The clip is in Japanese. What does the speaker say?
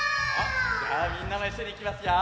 じゃあみんなもいっしょにいきますよ。